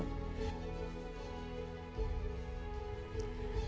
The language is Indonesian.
ariel dan keluarga mengaku membutuhkan ruang yang dapat merangsang kreatifitas mereka saat bekerja di rumah